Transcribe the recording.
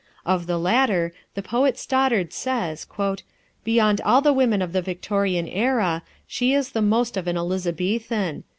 Of the latter, the poet Stoddard says: "Beyond all the women of the Victorian era, she is the most of an Elizabethan....